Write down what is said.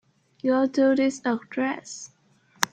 Go to this address.